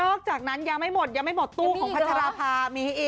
นอกจากนั้นยังไม่หมดตู้ของพันธาภา